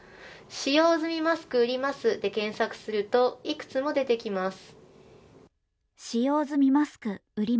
「使用済みマスク売ります」で検索するといくつも出てきます。